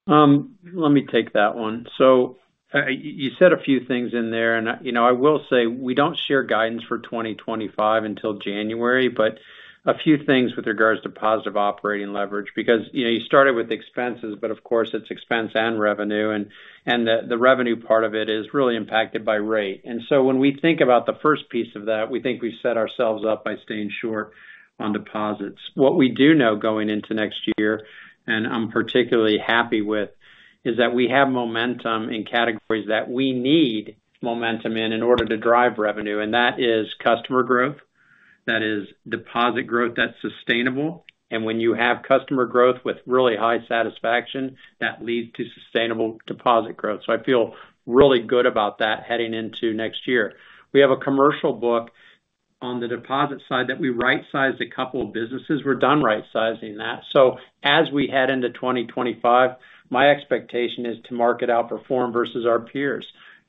Let me take that one. So, you said a few things in there, and, you know, I will say we don't share guidance 2025 until January. But a few things with regards to positive operating leverage, because, you know, you started with expenses, but of course, it's expense and revenue, and the revenue part of it is really impacted by rate. And so when we think about the first piece of that, we think we've set ourselves up by staying short on deposits. What we do know going into next year, and I'm particularly happy with, is that we have momentum in categories that we need momentum in order to drive revenue, and that is customer growth, that is deposit growth that's sustainable. And when you have customer growth with really high satisfaction, that leads to sustainable deposit growth. So I feel really good about that heading into next year. We have a commercial book on the deposit side that we right-sized a couple of businesses. We're done right-sizing that. So as we head into 2025, my expectation is to market outperform versus our peers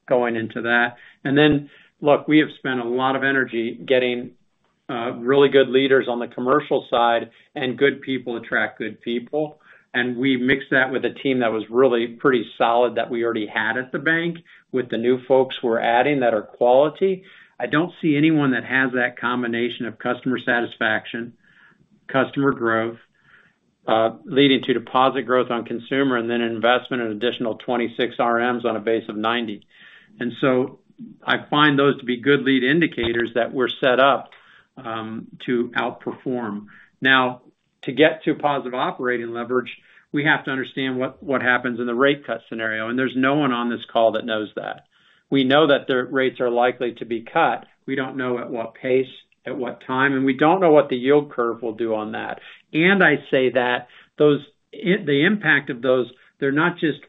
going into that. And then, look, we have spent a lot of energy getting really good leaders on the commercial side, and good people attract good people, and we mixed that with a team that was really pretty solid that we already had at the bank. With the new folks we're adding that are quality, I don't see anyone that has that combination of customer satisfaction, customer growth leading to deposit growth on consumer, and then an investment of additional 26 RMs on a base of 90. And so I find those to be good lead indicators that we're set up to outperform. Now, to get to positive operating leverage, we have to understand what happens in the rate cut scenario, and there's no one on this call that knows that. We know that the rates are likely to be cut. We don't know at what pace, at what time, and we don't know what the yield curve will do on that. And I say that those... the impact of those, they're not just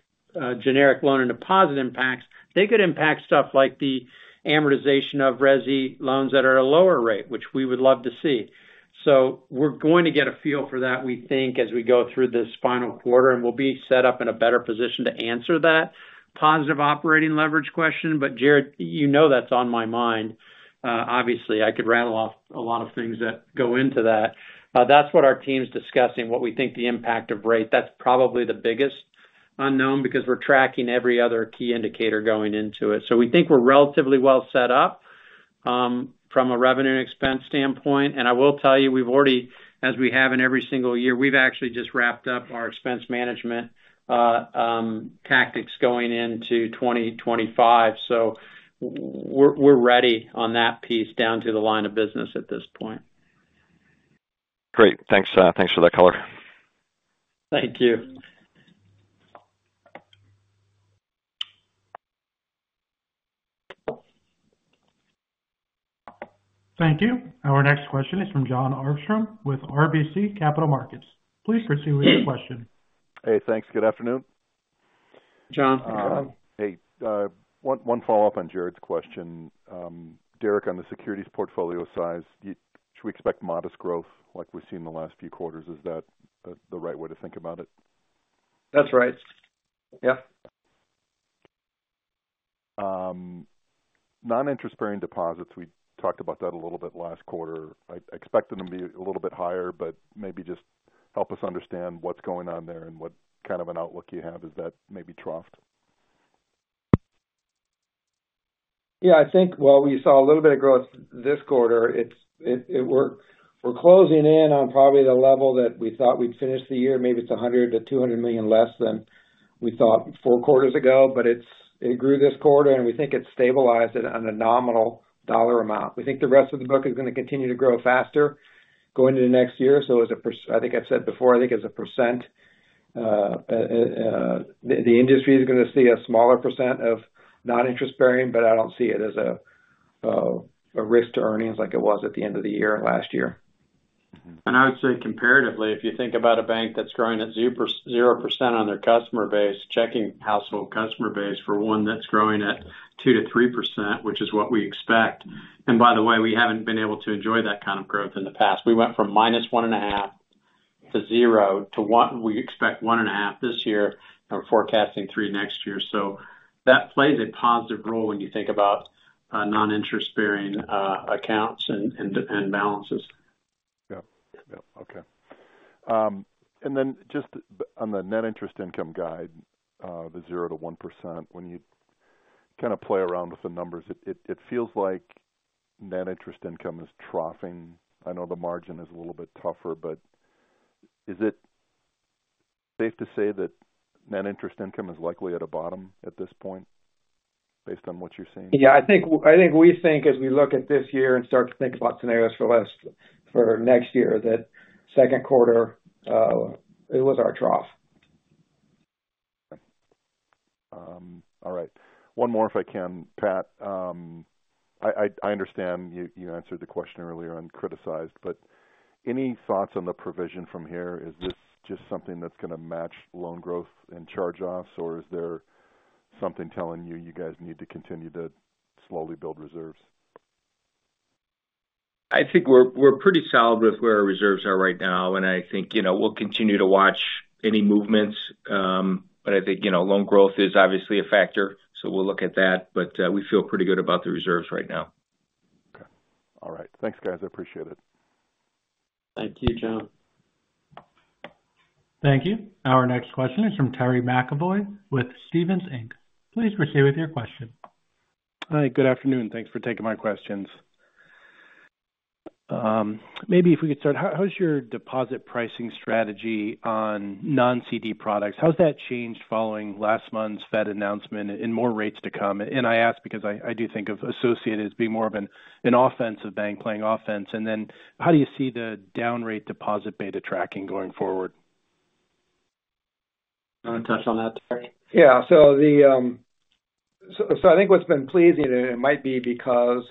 generic loan and deposit impacts. They could impact stuff like the amortization of resi loans that are at a lower rate, which we would love to see. So we're going to get a feel for that, we think, as we go through this final quarter, and we'll be set up in a better position to answer that positive operating leverage question. But, Jared, you know that's on my mind. Obviously, I could rattle off a lot of things that go into that. That's what our team's discussing, what we think the impact of rate. That's probably the biggest unknown, because we're tracking every other key indicator going into it. So we think we're relatively well set up from a revenue and expense standpoint. And I will tell you, we've already, as we have in every single year, we've actually just wrapped up our expense management tactics going into 2025. So we're ready on that piece, down to the line of business at this point. Great. Thanks, thanks for that color. Thank you. Thank you. Our next question is from Jon Arfstrom with RBC Capital Markets. Please proceed with your question. Hey, thanks. Good afternoon. Jon. Hey, one follow-up on Jared's question. Derek, on the securities portfolio size, should we expect modest growth like we've seen in the last few quarters? Is that the right way to think about it? That's right. Yeah.... non-interest bearing deposits, we talked about that a little bit last quarter. I expected them to be a little bit higher, but maybe just help us understand what's going on there and what kind of an outlook you have. Is that maybe troughed? Yeah, I think while we saw a little bit of growth this quarter, it's, we're closing in on probably the level that we thought we'd finish the year. Maybe it's $100 million-$200 million less than we thought four quarters ago, but it grew this quarter, and we think it stabilized at a nominal dollar amount. We think the rest of the book is going to continue to grow faster going into next year. So as a percent, I think I've said before, I think as a percent, the industry is going to see a smaller percent of non-interest bearing, but I don't see it as a risk to earnings like it was at the end of the year last year. And I would say comparatively, if you think about a bank that's growing at zero, 0% on their customer base, checking household customer base, for one that's growing at 2%-3%, which is what we expect. And by the way, we haven't been able to enjoy that kind of growth in the past. We went from minus 1.5 to 0 to 1. We expect 1.5 this year, and we're forecasting three next year. So that plays a positive role when you think about non-interest bearing accounts and balances. Yep. Yep. Okay. And then just on the net interest income guide, the 0%-1%, when you kind of play around with the numbers, it feels like net interest income is troughing. I know the margin is a little bit tougher, but is it safe to say that net interest income is likely at a bottom at this point, based on what you're seeing? Yeah, I think we think as we look at this year and start to think about scenarios for next year, that second quarter, it was our trough. All right. One more, if I can, Pat. I understand you answered the question earlier and criticized, but any thoughts on the provision from here? Is this just something that's going to match loan growth and charge-offs, or is there something telling you guys need to continue to slowly build reserves? I think we're pretty solid with where our reserves are right now, and I think, you know, we'll continue to watch any movements. But I think, you know, loan growth is obviously a factor, so we'll look at that, but we feel pretty good about the reserves right now. Okay. All right. Thanks, guys. I appreciate it. Thank you, John. Thank you. Our next question is from Terry McEvoy with Stephens Inc. Please proceed with your question. Hi, good afternoon. Thanks for taking my questions. Maybe if we could start, how is your deposit pricing strategy on non-CD products? How has that changed following last month's Fed announcement and more rates to come? And I ask because I do think of Associated as being more of an offensive bank, playing offense. And then how do you see the down rate deposit beta tracking going forward? You want to touch on that, Derek? Yeah. So, so I think what's been pleasing, and it might be because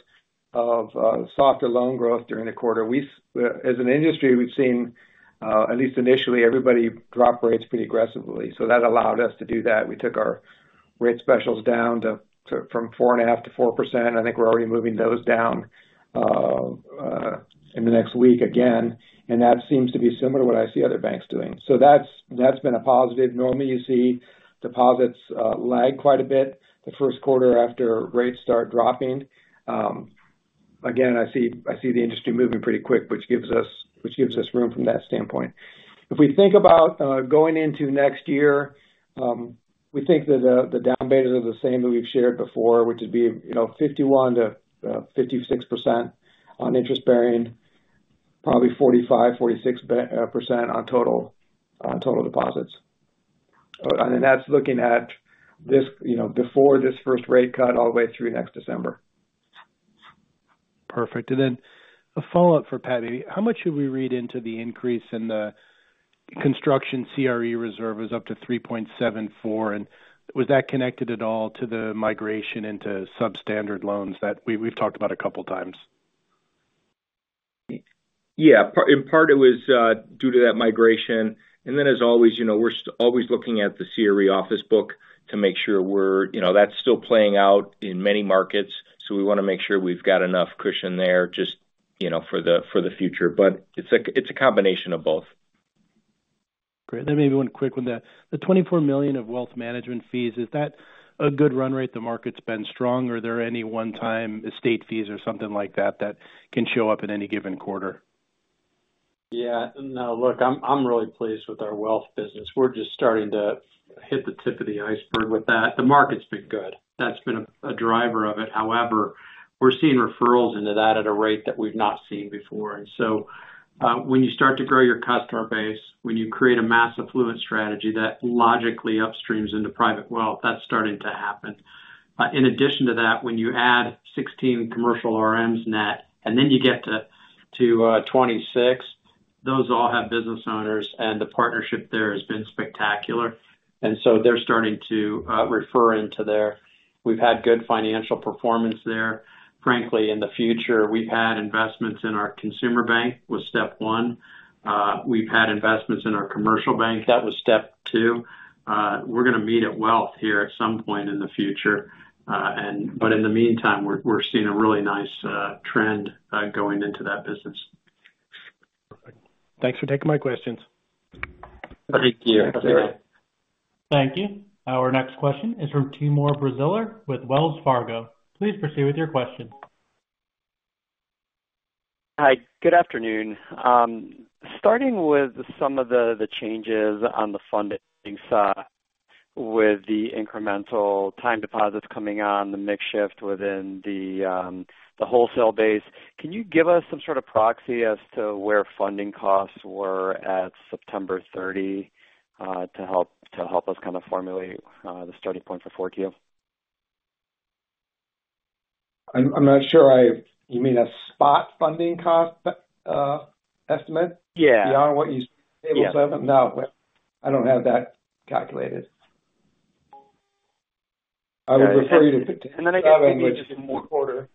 of, softer loan growth during the quarter. We've as an industry, we've seen, at least initially, everybody drop rates pretty aggressively, so that allowed us to do that. We took our rate specials down to from 4.5% to 4%. I think we're already moving those down, in the next week again, and that seems to be similar to what I see other banks doing. So that's been a positive. Normally, you see deposits, lag quite a bit the first quarter after rates start dropping. Again, I see the industry moving pretty quick, which gives us room from that standpoint. If we think about going into next year, we think that the down betas are the same that we've shared before, which would be, you know, 51%-56% on interest bearing, probably 45%-46% on total deposits. And that's looking at this, you know, before this first rate cut, all the way through next December. Perfect. Then a follow-up for Pat: How much should we read into the increase in the construction CRE reserve is up to $3.74, and was that connected at all to the migration into substandard loans that we've talked about a couple times? Yeah. In part, it was due to that migration. And then, as always, you know, we're always looking at the CRE office book to make sure we're... You know, that's still playing out in many markets, so we want to make sure we've got enough cushion there just, you know, for the future. But it's a combination of both. Great. Then maybe one quick one: The 24 million of wealth management fees, is that a good run rate, the market's been strong, or are there any one-time estate fees or something like that, that can show up in any given quarter? Yeah. No, look, I'm really pleased with our wealth business. We're just starting to hit the tip of the iceberg with that. The market's been good. That's been a driver of it. However, we're seeing referrals into that at a rate that we've not seen before. And so, when you start to grow your customer base, when you create a mass affluent strategy that logically upstreams into private wealth, that's starting to happen. In addition to that, when you add 16 commercial RMs net, and then you get to 26, those all have business owners, and the partnership there has been spectacular. And so they're starting to refer into there. We've had good financial performance there. Frankly, in the future, we've had investments in our consumer bank, was step one. We've had investments in our commercial bank, that was step two. We're going to meet at wealth here at some point in the future. But in the meantime, we're seeing a really nice trend going into that business.... Thanks for taking my questions. Thank you. [crosstalk] Thank you. Our next question is from Timur Braziler with Wells Fargo. Please proceed with your question. Hi, good afternoon. Starting with some of the changes on the funding side, with the incremental time deposits coming on, the mix shift within the wholesale base, can you give us some sort of proxy as to where funding costs were at September 30th, to help us kind of formulate the starting point for Q4? I'm not sure. You mean a spot funding cost estimate? Yeah. Beyond what you- Yeah. Table seven? No, I don't have that calculated. I would refer you to- And then [crosstalk] I think maybe just in one quarter.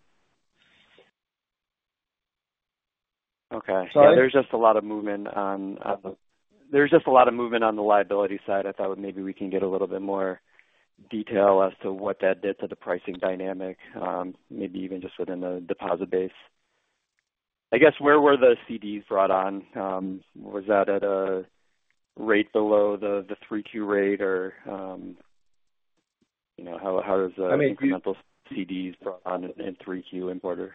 Okay. Sorry. [crosstalk] There's just a lot of movement on the liability side. I thought maybe we can get a little bit more detail as to what that did to the pricing dynamic, maybe even just within the deposit base. I guess, where were the CDs brought on? Was that at a rate below the Q3 rate, or, you know, how does the- I mean- Incremental CDs brought on in third quarter?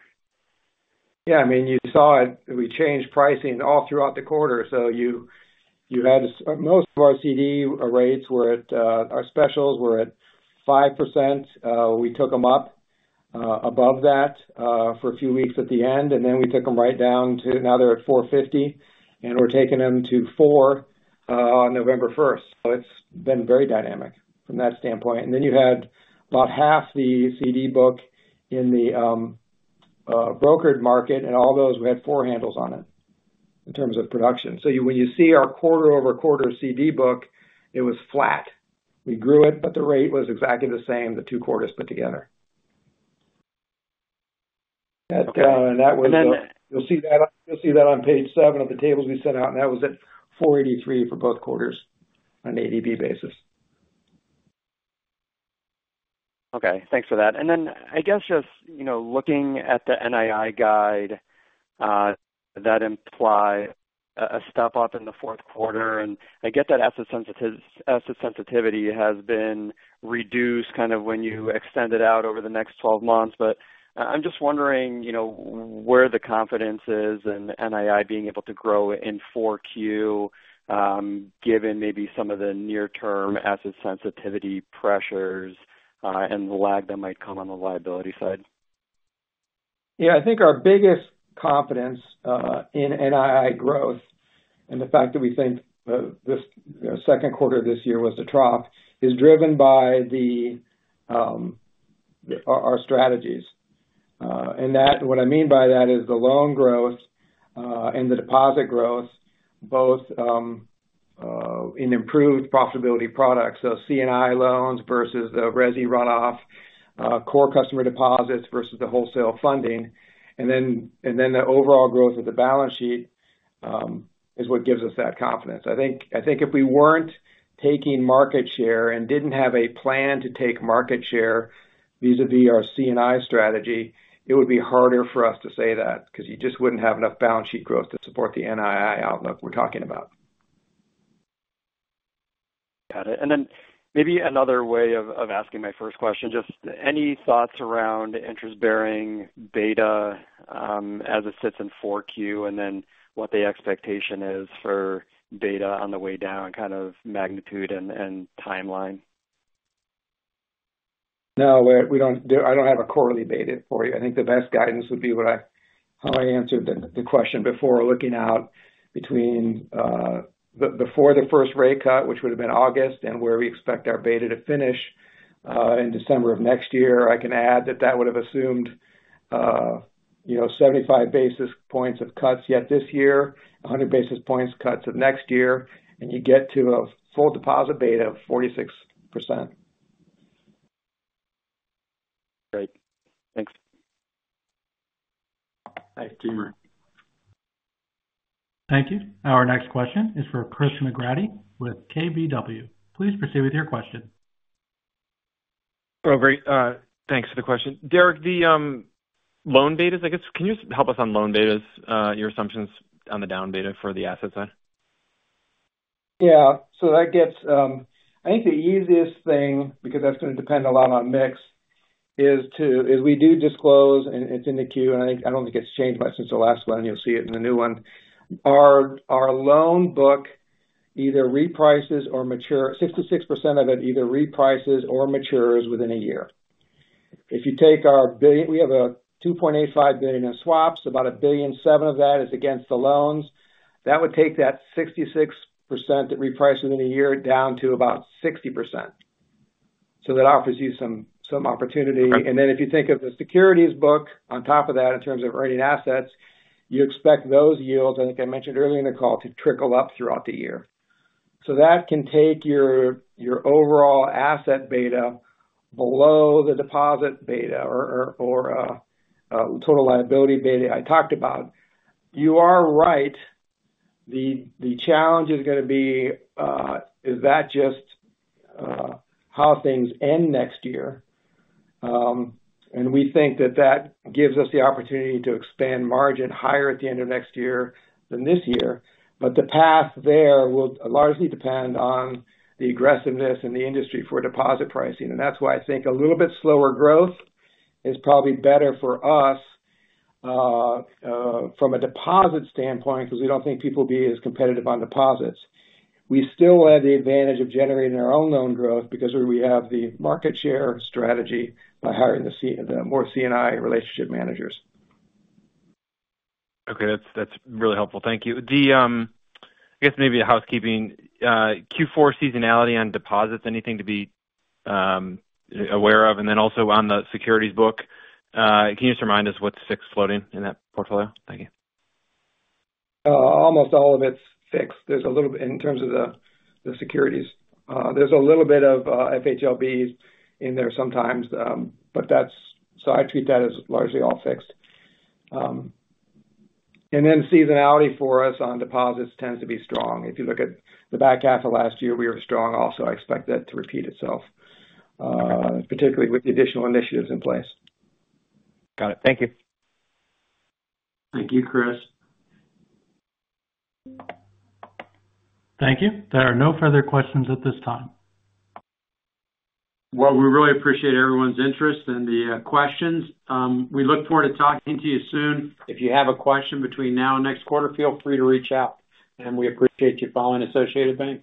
Yeah, I mean, you saw it. We changed pricing all throughout the quarter, so you had most of our CD rates were at, our specials were at 5%. We took them up above that for a few weeks at the end, and then we took them right down to... now they're at 4.50% and we're taking them to four on November 1st. So it's been very dynamic from that standpoint. And then you had about half the CD book in the brokered market, and all those, we had four handles on it in terms of production. So when you see our quarter-over-quarter CD book, it was flat. We grew it, but the rate was exactly the same, the two quarters put together. Okay. And that was- [crosstalk] And then- You'll see that on page seven of the tables we sent out, and that was at 4.83% for both quarters on an ADB basis. Okay, thanks for that. And then I guess just, you know, looking at the NII guide, that imply a step-up in the fourth quarter, and I get that asset sensitivity has been reduced kind of when you extend it out over the next twelve months. But I'm just wondering, you know, where the confidence is in NII being able to grow in Q4, given maybe some of the near-term asset sensitivity pressures, and the lag that might come on the liability side. Yeah, I think our biggest confidence in NII growth, and the fact that we think this, you know, second quarter of this year was the trough, is driven by our strategies. And that - what I mean by that is the loan growth and the deposit growth, both in improved profitability products, so C&I loans versus the resi runoff, core customer deposits versus the wholesale funding, and then the overall growth of the balance sheet is what gives us that confidence. I think if we weren't taking market share and didn't have a plan to take market share vis-a-vis our C&I strategy, it would be harder for us to say that, because you just wouldn't have enough balance sheet growth to support the NII outlook we're talking about. Got it. And then maybe another way of asking my first question, just any thoughts around interest-bearing beta, as it sits in 4Q, and then what the expectation is for beta on the way down, kind of magnitude and timeline? No, we don't. I don't have a quarterly beta for you. I think the best guidance would be how I answered the question before, looking out between the before the first rate cut, which would have been August, and where we expect our beta to finish in December of next year. I can add that that would have assumed you know, 75 basis points of cuts yet this year, 100 basis points cuts of next year, and you get to a full deposit beta of 46%. Great. Thanks. Thanks, Timur. Thank you. Our next question is for Chris McGratty with KBW. Please proceed with your question. Oh, great, thanks for the question. Derek, the loan betas, I guess, can you help us on loan betas, your assumptions on the deposit beta for the asset side? Yeah. So that gets, I think the easiest thing, because that's going to depend a lot on mix, is we do disclose, and it's in the Q, and I think, I don't think it's changed much since the last one. You'll see it in the new one. Our loan book either reprices or matures 66% of it either reprices or matures within a year. If you take, we have a $2.85 billion in swaps. About a $1.7 billion of that is against the loans. That would take that 66% that reprice within a year down to about 60%. So that offers you some opportunity. Okay. And then if you think of the securities book on top of that, in terms of earning assets, you expect those yields, I think I mentioned earlier in the call, to trickle up throughout the year. So that can take your overall asset beta below the deposit beta or total liability beta I talked about. You are right. The challenge is going to be just how things end next year. And we think that that gives us the opportunity to expand margin higher at the end of next year than this year. But the path there will largely depend on the aggressiveness in the industry for deposit pricing. And that's why I think a little bit slower growth is probably better for us from a deposit standpoint, because we don't think people will be as competitive on deposits. We still have the advantage of generating our own loan growth because we have the market share strategy by hiring more C&I relationship managers. Okay. That's, that's really helpful. Thank you. The, I guess maybe a housekeeping, Q4 seasonality on deposits, anything to be, aware of? And then also on the securities book, can you just remind us what's fixed floating in that portfolio? Thank you. Almost all of it's fixed. There's a little bit in terms of the securities. There's a little bit of FHLBs in there sometimes, but that's, so I treat that as largely all fixed, and then seasonality for us on deposits tends to be strong. If you look at the back half of last year, we were strong also. I expect that to repeat itself, particularly with the additional initiatives in place. Got it. Thank you. Thank you, Chris. Thank you. There are no further questions at this time. We really appreciate everyone's interest and the questions. We look forward to talking to you soon. If you have a question between now and next quarter, feel free to reach out, and we appreciate you following Associated Bank.